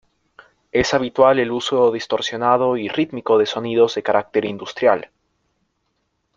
Es habitual el uso distorsionado y rítmico de sonidos de carácter industrial.